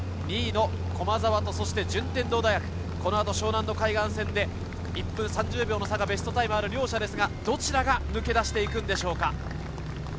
２位の駒澤と順天堂、この後、湘南の海岸線で１分３０秒の差がベストタイムである両者ですが、どちらが抜け出していくんでしょうか。